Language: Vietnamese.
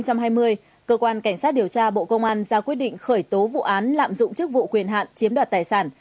cơ quan cảnh sát điều tra bộ công an ra quyết định khởi tố vụ án lạm dụng chức vụ quyền hạn chiếm đoạt tài sản